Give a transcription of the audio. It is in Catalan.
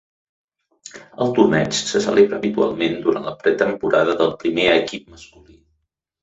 El torneig se celebra habitualment durant la pretemporada del primer equip masculí.